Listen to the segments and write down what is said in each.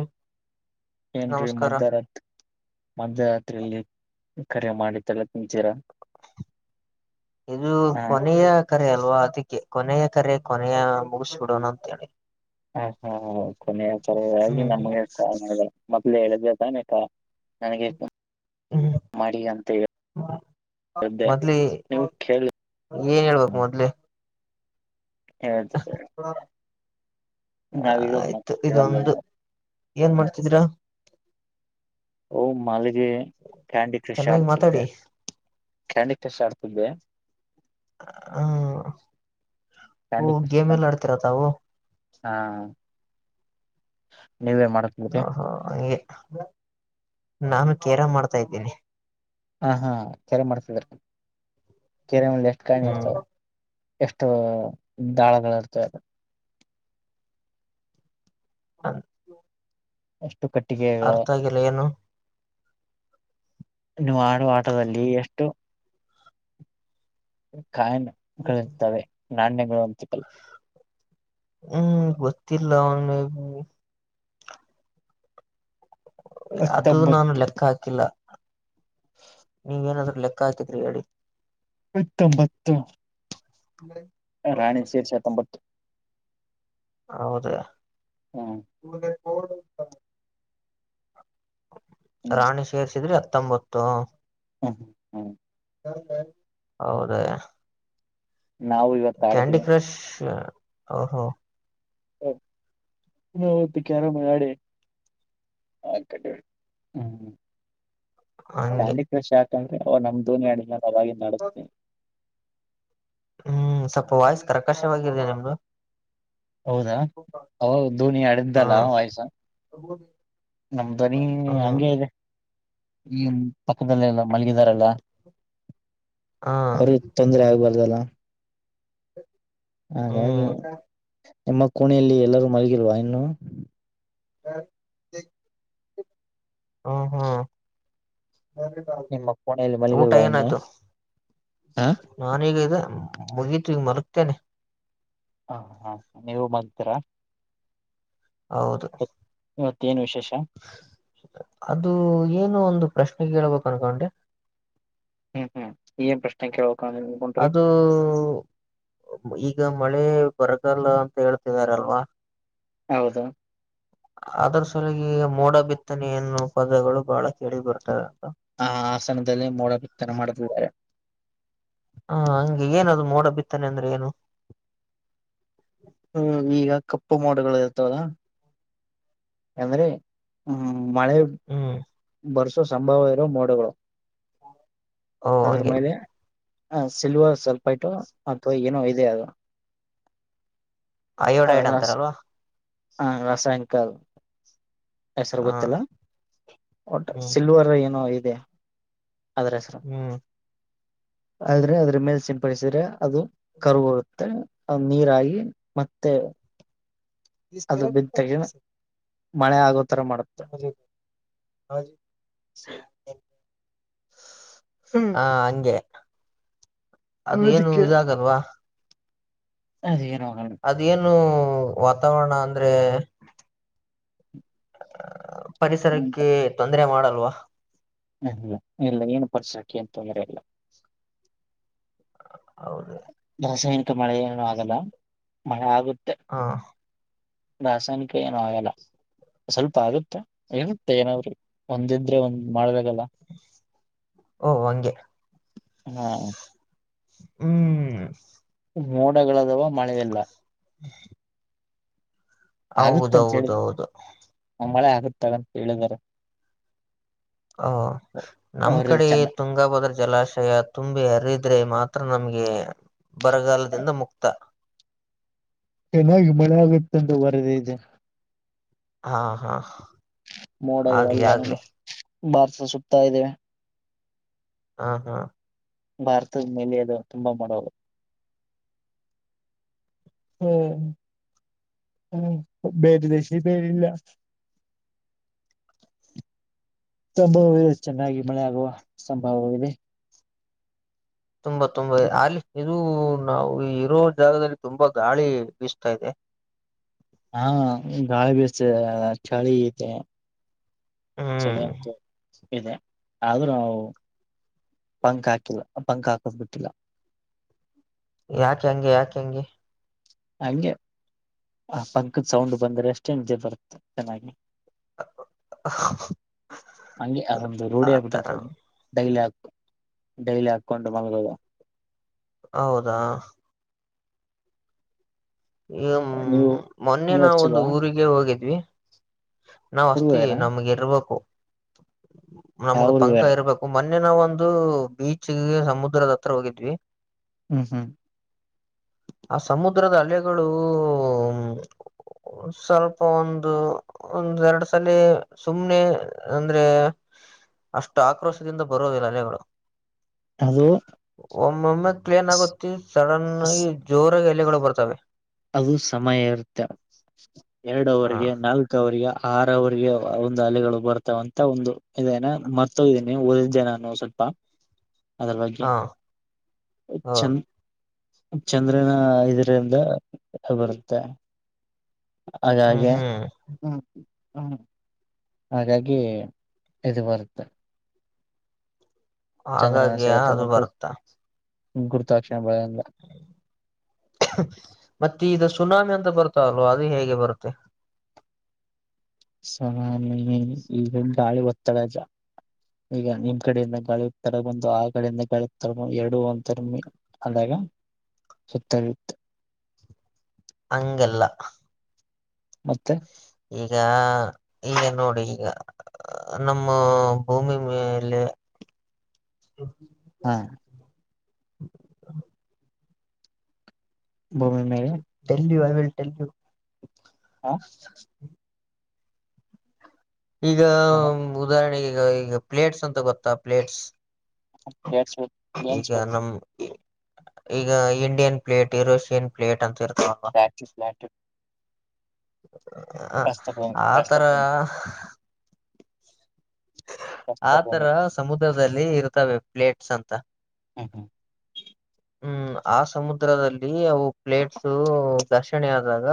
ಹ ಏನ್ ಮಧ್ಯರಾತ್ರಿ ಮಧ್ಯರಾತ್ರಿಲ್ಲಿ ಕರೆ ಮಾಡಿ ತಲ್ಲ ತಿಂತೀರಾ ಇದು ಹ ಕೊನೆಯ ಕರೆ ಅಲ್ವಾ ಅದಕ್ಕೆ ಕೊನೆಯ ಕರೆ ಕೊನೆಯ ಮುಗಿಸ್ಬಿಡೋಣ ಅಂತ ಹೇಳಿ ಹ ಹಾ ಕೊನೆಯ ತರ ಹ್ಮ್ ನಮಗೆ [unintelligible] ಹೇಳಿದೆ ತಾನೆ ಕ ನನಗೆ ಹ್ಮ್ ಮಾಡಿ ಅಂತ ಹೇಳ ಮೊದ್ಲಿ ಏನ್ ಹೇಳ್ಬೇಕು ಮೊದ್ಲೆ ಹಾ ಆಯ್ತು ಕೇಳಲ್ಲ ಇದೊಂದು ನೀವು ಏನ್ ಹ್ಮ್. ಮಾಡ್ತಿದೀರಾ ಓ ಮಾಲ್ಲಿಗೆ ಕ್ಯಾಂಡಿ ಕ್ರಷ್ ಚೆನ್ನಾಗಿ ಆಡ್ತಿದ್ದೆ ಮಾತಾಡಿ ಕ್ಯಾಂಡಿ ಕ್ರಾಸ್ ಆಡ್ತಿದ್ದವೆ ಹ್ಮ ಓ ಕ್ಯಾಂಡಿ ಕ್ರಶ್ ಗೇಮ್ ಎಲ್ಲ ಆಡ್ತಿರತವು ಹಾ ನೀವೇ ಮಾಡ್ತಿದ್ರಿ ಹಹೋ ಹಗೆ ನಾನು ಕೇರಾ ಮಾಡ್ತಾ ಇದ್ದೀನಿ ಹಾ ಹಾ [unintelligible] ಕೆರೆ ಮಲೆ ಎಷ್ಟು ಕಾಯಿ ಇರ್ತವೆ ಹ್ಮ್ ಎಷ್ಟು ದಾಳಗಳು ಇರ್ತವೆ ಅದು ಹ ಅರ್ಥ ಆಗಲ್ಲ ಏನು ಇನ್ನು ಆಡು ಆಟದಲ್ಲಿ ಎಷ್ಟು ಕಾಯಗಳತವೆ ನಾಣ್ಯಗಳು ಅಂತ ಹ್ಮ್ ಗೊತ್ತಿಲ್ಲ ಅದು ಹತ್ತೊಂಬತ್ತು ನಾನು ಲೆಕ್ಕ ಹಾಕಿಲ್ಲ ನೀವ ನಾದ ಲೆಕ್ಕಾ ಹಾಕಿದ್ರೆ ಹೇಳಿ ಇಪ್ಪತ್ತೊಂಬತ್ತು ರಾಣಿ ಸೇರಿ ಸತ ಒೊಂಬತ್ತು ಹೌದ ಹ್ಮ್ ಹ್ಮ್ ರಾಣಿ ಸೇರಿಸಿದ್ರೆ ಹತ್ತೊಂಬತ್ತು ಹ ಹ್ಮ ಹೌದ ನಾವು ಇವತ್ತು ಕ್ಯಾಂಡ ಆಡದಿಲ್ಲ ಕ್ರಶ್ ಹೋ [unintelligible] ಹ ಹ್ಮ ಹಂಗೆ ಕ್ಯಾಂಡಿ ಕ್ರಶ್ ಹಾಕೊಂಡ್ರೆ ಅವ ನಮ್ ದೋನಿಯ ಅಡಿಿನ ಅವವಾಗಿ ನಡೆಸ್ತಿ ಹ್ಮ್ ಸ್ವಲ್ಪ ವಯಸ್ಕರ ಕಾಶವಾಗಿದೆ ನಿಮ್ದು ಹೌದಾ ಅವ ದೋನಿ ಅಡ್ದಲ್ಲ ಹ್ಮ್ ವಯಸ ನಮ್ದು ಧ್ವನಿ ನೀ ಹ್ಮ್ ಹಂಗೆ ಇದೆ ಈ ಪಕ್ಕದಲ್ಲೆಲ್ಲ ಮಲಗಿದಾರಲ್ಲ ಹಾ ಅವ್ರ ತೊಂದ್ರೆ ಆಗ್ಬಾರ್ದಲ್ಲ ಹಾಗಾಗಿ ಹ್ಮ್ ನಿಮ್ಮ ಕೋಣೆಯಲ್ಲಿ ಎಲ್ಲರೂ ಮಲಗಿಲ್ವಾ ಇನ್ನು ಹ ನಿಮ್ಮ ಕೋಣೆಯಲ್ಲಿ ಊಟ ಮಲಗಿಲ್ವಾ ಇನ್ನು ನತ ಹ ನಾನೀಗ ಮುಗೀತ್ ಈಗ ಮರಗ್ತೇನೆ ಹ ಹಾ ನೀವು ಮತ್ರರ ಹೌದು ಇವತ್ತೇನ್ ವಿಶೇಷ ಅದು ಏನು ಒಂದು ಪ್ರಶ್ನೆ ಕೇಳ್ಬೇಕು ಅನ್ಕೊಂಡೆ ಹ್ಮ್ ಹ್ಮ್ ಏನ್ ಪ್ರಶ್ನೆ ಕೇಳ್ಬೇಕ ಅನ್ಕೊಂಡ್ರಿ ಅದು ಈಗ ಮಳೆ ಲ್ಲಿ ಬರ್ಗಲ್ ಅಂತ ಹೇಳ್ತವಾರಲ್ವಾ ಹೌದು ಅದರ ಸಲಿಗೆ ಮೋಡ ಬಿತ್ತನೆ ಎನ್ನು ಪದಗಳು ಬಹಳ ಕೇಳಿ ಬರ್ತವೆ ಆ ಆಸನದಲ್ಲಿ ಮೋಡ ಬಿತ್ತನ ಮಾಡತಿದ್ದಾರೆ ಹ ಹಗೆ ಏನದು ಮೋಡ ಬಿತ್ತಾನೆ ಅಂದ್ರೆ ಏನು ಹ್ಮ್ ಈಗ ಕಪ್ಪು ಮೋಡುಗಳು ಇರ್ತಾವದ ಅಂದ್ರೆ ಹ್ಮ ಮಳೆ ಹ್ಮ್ ಬರ್ಸೋ ಸಂಭವ ಇರೋ ಮೋಡಗಳು ಓ ಅದ್ರ ಹಂಗೆ ಮೇಲೆ ಹ ಸಿಲ್ವರ್ ಸ್ವಲ್ಪ ಇಟ್ಟು ಅಥವಾ ಏನೋ ಇದೆ ಅದು ಅಯೋಡೈಡ್ ಅಂತಾರಲ್ವಾ ಹಾ ರಾಸಾಯನಿಕಲ್ ಹೆಸರು ಹ ಗೊತ್ತಿಲ್ಲ ಒಟ್ಟ ಹ್ಮ್ ಸಿಲ್ವರ್ ಏನೋ ಇದೆ ಅದ್ರೆ ಸರ್ ಹ ಆದ್ರೆ ಅದ್ರ ಮೇಲೆ ಸಿಂಪಡಿಸಿದ್ರೆ ಅದು ಕರುರುತ್ತೆ ಅ ನೀರಾಗಿ ಮತ್ತ ಮತ್ತು ಇ ತರ ಮಳೆ ಆಗುತ್ತೆ ಹ ಹ್ಮ್ ಹಾ ಹಂಗೆ ಅದ ಏನು ಇದಾಗಲ್ವಾ ಅದಗರ ಇನು ವಾತಾವರಣ ಅಂದ್ರೆ ಪರಿಸರಕ್ಕೆ ತೊಂದರೆ ಮಾಡಲ್ವಾ ಹಲ್ಲ ಇಲ್ಲ ಏನು ಪರ್ಸಕಿ ಅ ತೊಂದರೆ ಇಲ್ಲ ಹೌದು ರಾಸಾಯನಿಕ ಮಳೆ ಏನು ಆಗಲ್ಲ ಮಳೆ ಆಗುತ್ತ ಹಾ ರಾಸಾಯನಿಕ ಯಏನ್ ಆಯಲ್ಲ ಸ್ವಲ್ಪ ಆಗುತ್ತೆ ಇರುತ್ತೆ ಏನಾದ್ರರು ಒಂದಿದ್ರೆ ಒಂದ್ ಮಾಡ್ದಾಗಲ್ಲ ಓ ಹಂಗೆ ಹ್ಮ ಹ್ಮ್ ಮೋಡಗಳದಾವ ಮಳೆಯಲ್ಲ ಹ್ಮ ಆಗುತ್ತಂತ ಹೇಳಿದ ಆ ಮಳೆ ಆಗುತ್ತಗಂತ ಹೇಳಿದಿದ್ದಾರೆ ಓ ನಮ್ ಕಡೆ ಚೆನ್ನ ತುಂಗಭದ್ರ ಜಲಾಶಯ ತುಂಬಿ ಹರಿದ್ರೆ ಮಾತ್ರ ಹತ್ರ ನಮ್ಗೆ ಬರಗಾಲದಿಂದ ಮುಕ್ತ ಚೆನ್ನಾಗಿ ಮಳೆ ಆಗುತ್ತೆ ಅಂತ ಬರದೇ ಇದೆ ಹಾ ಹಾ ಆಗ್ಲಿ ಮೋಡಗಳಲ್ಲ ನಮ್ಮ ಆಗ್ಲಿ ಬಾರ್ಸ ಸುತ್ತತಾ ಇದದೆ ಹಾ ಹಾ ಭಾರತದ ಮೇಲೆ ಅದು ತುಂಬಾ ಮಾಡಡೋದು ಹ್ಮ್ ಹ್ಮ ಬೇರೆದೇಶಿ ಬೇರಿಲ್ಲ ಸಂಭವವದೆ ಚೆನ್ನಾಗಿ ಮಳೆ ಆಗುವ ಸಂಭವ ಇದೆ ತುಂಬಾ ತುಂಬಾ ಇದೆ ಅಲ್ಲಿ ಇದು ನಾವು ಇರೋ ಜಾಗದಲ್ಲಿ ತುಂಬಾ ಗಾಳಿ ಬೀಸ್ತಾ ಇದೆ ಹಾ ಗಳ ಭ ಚಳಿ ಚಳ ಹ್ಮ್ ಅಂತ ಇದೆ ಆದ್ರೂ ನಾವು ಪಂಗಾ ಪಂಗಾಕ ಬಿಟ್ಟಿಲ್ಲ ಯಾ ಕೆಗೆ ಯಾ ಕಗೆ ಹಂಗೆ ಆ ಪಂಕ್ದ ಸೌಂಡ್ ಬಂದ್ರೆ ಅಷ್ಟೇ ನಿದೆ ಬರುತ್ತೆ ಚೆನ್ನಾಗಿ ಹಂಗೆ ಅದೊಂದು ರೂಢಿಯ ಆತರ ಆಗ್ಬಿಟ್ಟತ್ತದ ಡೈಲಿ ಹಾಕ ಡೈಲಿ ಅಕ್ಕೌಂಟು ಮ ಹೌದಾ ನೀವು ಈ್ಮ ಮೊನ್ನೆ ನೀವ್ ನಾವವು ಒಂದು ಹಚ್ಚಿಲ್ವಾ ಊರಿಗೆ ಹೋಗಿದ್ವಿ ನಾವ್ ಅಸ್ತೀವಿ ಊರ್ಗೇರಾ ನಮಗೆ ಇರ್ಬೇಕು ಯಾವ ನಮಗ್ ಪಂಕ ಊರ್ಗೇರಾ ಇರ್ಬೇಕು ಮ ಮನ್ನೆ ನಾವ ಒಂದು ಬೀಚ್ಗೆ ಸಮುದ್ರದ ಹತ್ರ ಹೋಗಿದ್ವಿ ಹ್ಮ್ ಹ್ಮ್ ಆ ಸಮುದ್ರದ ಅಲೆಗಳು ಸ್ವಲ್ಪ ಒಂದು ಒಂದ್ ಎರಡು ಸಲ ಸುಮ್ನೆ ಅಂದ್ರೆ ಅಷ್ಟು ಆಕ್ರೋಶದಿಂದ ಬರುದಿಲ್ಲ ಅಲೆಗಳು ಅದು ಒಮ್ಮೊಮ್ಮೆ ಕ್ಲೀನ್ ಸ್- ಆಗುತ್ತೆ ಸಡನ್ ಸ್- ಜೋರ್ ಎಲೆಗಳು ಬರ್ತವೆ ಅದು ಸಮಯ ಇರುತ್ತೆ ಹ ಎರಡವಗೆ ನಾಲ್ಕವರಿಗೆ ಆರವರಿಗೆ ಒಂದು ಅಲೆಗಳು ಬರ್ತಾವಂತ ಒಂದು ಇದೇನ ಮರ್ತೋಗೀನಿ ಓದಿದ್ದೆ ನಾನು ಸ್ವಲ್ಪ ಅದರ ಬಗ್ಗೆ ಹ ಹ ಚಂದ ಚಂದ್ರನ ಇದರಿಂದ ಬರುತ್ತೆ ಹಾಗ ಹ್ಮ್ ಹಾಗೆ ಹ್ಮ್ ಹ್ಮ ಹ್ಮ್ ಹಾಗಾಗಿ ಇದು ಬರುತ್ತೆ ಚಂದ್ರನ ಹಾಗಾಗಿ ಸ ಇರುತ್ತೆ ಅದು ಬರುತ್ತಾ ಗುರುತಾಕ್ಷ ಮತ್ತೆಷ್ಟ ಸುನಾಮಿ ಅಂತ ಬರ್ತಲ್ವಾ ಅದು ಹೇಗೆ ಬರುತ್ತೆ ಸಾನ ಈಗ ಗಾಳಿ ಒತದಜ ಈಗ ನಿಮ್ ಕಡೆಯಿಂದ ಗಳಕ್ ತರ ಬಂದು ಆ ಕಡೆಯಿಂದಗಳಿ ತರ ಎರಡು ಅಂತಿ ಅ ಸತ್ತರತ್ತು ಅಂಗಲ್ಲ ಮತ್ತೆ ಈಗ ಈಗ ನೋಡಿ ಈಗ ನಮ್ಮ ಭೂಮಿ ಮೇಲೆ ಹಾ ಹ ಭೂಮಿ ಮೇಲೆ ಟಲ್ ಯು ಐ ವಲ್ಟಲ್ ಯು ಹಾ ಈಗ ಉದಾಹರಣೆಗೆಗ ಈಗ ಪ್ಲೇಟ್ಸ್ ಅಂತ ಗೊತ್ತಾ ಪ್ಲೇಟ್ಸ್ ಪ್ಲೇಟ್ಸ್ ವಿತ್ ಈಗ ಪ್ಲೇನ್ಸ್ ವಿತ್ ನಮ ಈಗ ಇಂಡಿಯನ್ ಪ್ಲೇಟ್ ಯರೋಷಿಯನ್ ಪ್ಲೇಟ್ ಅಂತ ಇರ್ತ ಪ್ಟ್ ಪ್ಲಾಟ ಹ ಆತರ ಪ್ರಸ್ಥಭೂಮಿ ಆ ತರ ಪ್ರಸ್ಥಭೂಮಿ ಸಮುದ್ರದಲ್ಲಿ ಇರ್ತವೆ ಪ್ಲೇಟ್ಸ್ ಅಂತ ಹ್ಮ ಹ್ಮ್ ಆ ಸಮುದ್ರದಲ್ಲಿ ಅವು ಪ್ಲೇಟ್ಸ ಘರ್ಷಣೆ ಆದಾಗ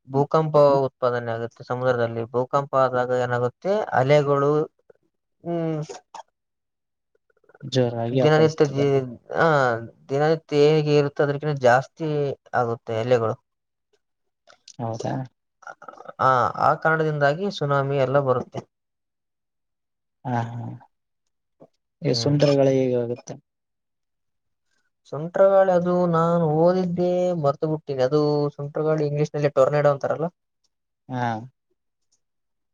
ಹ್ಮ್ ಭೂಕಂಪ ಹ್ಮ್ ಉತ್ಪಾದನೆ ಆಗುತ್ತೆ ಸಮುದ್ರದಲ್ಲಿ ಭೂಕಂಪ ಆದಾಗ ಏನಾಗುತ್ತೆ ಅಲೆಗಳು ಹ್ಮ್ ಜೋರಾಗಿ ದಿನ ನಿತ್ಯ ಅಪ್ಪಳಿಸ್ತದೆಂಡಿ ಆ ದಿನನಿತ್ಯ ಹೇಗೆ ಇರುತ್ತೆ ಅದಕ್ಕಿಂತ ಜಾಸ್ತಿ ಆಗುತ್ತೆ ಎಲೆಗಳು ಹೌದಾ ಹ ಆ ಕಾರಣದಿಂದಾಗಿ ಸುನಾಮಿ ಎಲ್ಲ ಬರುತ್ತೆ ಹಾ ಹಾ ಈ ಹ್ಮ್ ಸುಂಡ್ರಗಳ ಹೇಗೆ ಆಗುತ್ತೆ ಸುಂಟ್ರಗಾಳಿ ಅದು ನಾನು ಓದಿದ್ದೇ ಮರ್ತು ಬಿಟ್ಟೀನಿ ಅದು ಸಂಟಗಾಳಿ ಇಂಗ್ಲೀಷ್ ನಲ್ಲಿ ಟೋರ್ನ ನ ಅಂತಾರಲ್ಲ ಹಾ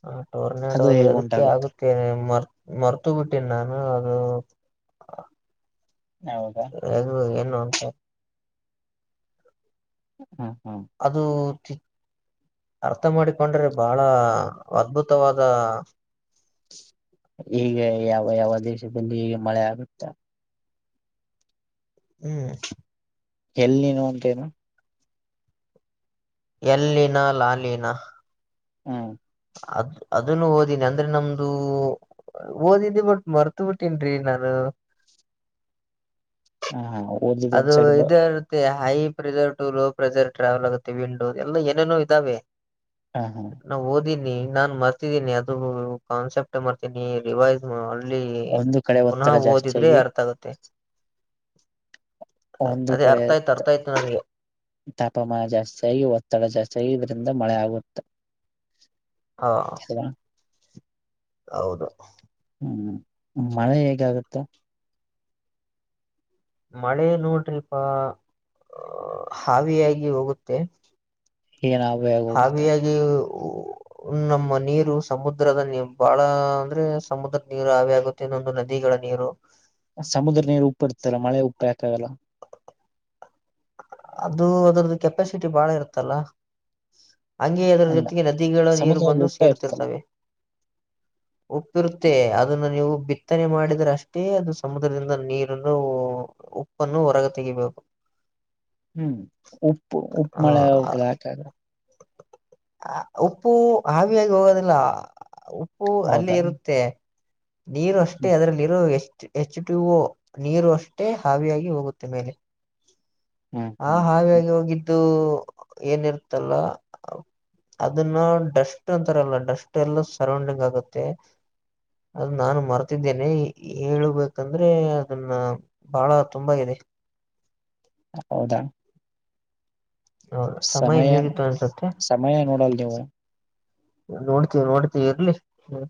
ಹಾ ಟೋರ್ನಾಡೋ ಅದು ಹೇಗೆ ಅದಕ್ಕೆ ಉಂಟಾಗುತ್ತೆ ಆಗುತ್ತೆ ನಿ ಮ ಮರ್ತು ಬಿಟ್ಟನ್ ನಾನು ಅದು ಹೌದಾ ಅದು ಏನು ಉಂಟ ಹಾ ಅದು ಅರ್ಥ ಮಾಡಿಕೊಂಡ್ರೆ ಬಹಳ ಅದ್ಭುತವಾದ ಹೀಗೆ ಯಾವ ಯಾವ ದೇಶದಲ್ಲಿ ಹೀಗೆ ಮಳೆ ಆಗುತ್ತೆ ಹ್ಮ್ ಎಲ್ಲಿನು ಅಂತೇನು ಎಲ್ಲಿನಾ ಲಾಲೀನಾ ಹ್ಮ ಅದ ಅದನ್ನು ಓದಿನಿ ಅಂದ್ರೆ ನಮ್ದು ಓದಿದ್ದಿ ಬಟ್ ಮರ್ತ ಬಿಟ್ಟನ್ ರೀ ನಾನು ಹಾ ಹಾ ಅದು ಇದೇ ಇರುತ್ತಯ high pressure to low pressure travel ಆಗುತ್ತೆ ವಿಂಡೋ ಎಲ್ಲ ಏನೇನೋ ಇದಾವೆ ಹ ಹಾ ನಾವು ಓದ ನಾನ್ ಮರ್ತಿದ್ದೀನಿ ಅದು ಕಾನ್ಸೆಪ್ಟ್ ಮರ್ತೀನಿ ರಿವೈಸ್ ಅಲ್ಲಿ ಒಂದು ಕಡೆ ಪುನಃ ಒತ್ತಡ ಓದಿದ್ರೆ ಜಾಸ್ತಿಯಾಗಿ ಅರ್ಥ ಆಗುತ್ತೆ ಒಂದು ಅದೇ ಅರ್ಥ ಕಡೆ ಆಯ್ತ ಅರ್ಥಯ್ತು ನನಗೆ ತಾಪಮಾನ ಜಾಸ್ತಿ ಆಗಿ ಒತ್ತಡ ಜಾಸ್ತಿ ಆಗಿ ಇದ್ರಿಂದ ಮಳೆ ಆಗೆ ಹ ಹ ಹೌದು ಹ್ಮ್ ಮಳೆ ಹೇಗಾಗತ್ತ ಮಳೆ ನೋಡ್ರಿಪಾ ಹಾವಿಯಾಗಿ ಹೋಗುತ್ತೆ ಏನಗ ಹೋಗುತ್ತ ಹ್ಮ ನಮ್ಮ ನೀರು ಸಮುದ್ರದ ನೀ ಬಹಳ ಅಂದ್ರೆ ಸಮುದ್ರದ ನೀರು ಹೇ ಆಗುತ್ತೆ ಇನ್ನೊಂದು ನದಿಗಳ ನೀರು ಸಮುದ್ರ ನೀರು ಉಪ್ಪು ಇಡ್ತಲ್ಲ ಮಳೆ ಉಪ್ಪು ಯಾಕಾಗಲ್ಲ ಅದು ಅದದ್ರದು ಕೆಪಾಸಿಟಿ ಬಾಳ ಇರುತ್ತಲ್ಲ ಹಂಗೇ ಅದರ ಅಲ್ಲ ಜೊತೆಗೆ ನದಿಗಳ ನೀರು ಸಮುದ್ರದಲ್ಲಿ ಬಂದು ಉಪ್ಪ ಇರ್ತಲ್ಲ ಸೇರುತ್ತಿರ್ತವೆ ಉಪ್ಪಿರುತ್ತೆ ಅದನ್ನ ನೀವು ಬಿತ್ತನೆ ಮಾಡಿದ್ರೆ ಅಷ್ಟೇ ಅದು ಸಮುದ್ರದಿಂದ ನೀರನ್ನು ಉಪ್ಪನ್ನು ಹೊರಗೆ ತೆಗಿಬೇಕು ಹ್ಮ್ ಉಪ್ಪು ಉಪ್ಪು ಮಳೆ ಹ ಉಪ್ಪು ಹಾವಿಯಾಗಿ ಹೋಗೋದಿಲ್ಲ ಉಪ್ಪು ಅಲ್ಲಿ ಹೌದಾ ಇರುತ್ತೆ ನೀರು ಅಷ್ಟೇ ಹ್ಮ್ ಅದ್ರಲ್ಲಿರು ಎಷ್ಟು ಎಚ್ ಟು ಓ ನೀರು ಅಷ್ಟೇ ಹಾವಿಯಾಗಿ ಹೋಗುತ್ತೆ ಮೇಲೆ ಹ್ಮ್ ಹ ಹ್ಮ್ ಹ್ಮ್ ಹಾವಾಗಿ ಹೋಗಿದ್ದು ಏನಿರುತ್ತಲ್ಲ ಅದನ್ನ ಡಸ್ಟ್ ಅಂತಾರಲ್ಲ ಡಸ್ಟ್ ಎಲ್ಲ ಸರೌಂಡಿಂಗ್ ಆಗುತ್ತೆ ಅದು ನಾನು ಮರ್ತಿದ್ದೇನೆ ಹೇಳಬೇಕಂದ್ರೆ ಅದನ್ನ ಬಹಳ ತುಂಬಾಗಿದೆ [inaudible] ಹೌದಾ ಹೌದು, ಸಮಯ ಮೀರಿತು ಅನ್ಸತ್ತೆ ಸಮಯ ನೋಡಲ್ ನೀವು ನೋಡ್ತೀವಿ ನೋಡ್ತೀವಿ ಇರ್ಲಿ ಹ್ಮ